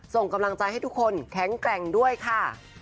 ส่งกำลังใจให้ทุกคนแข็งแกร่งด้วยค่ะ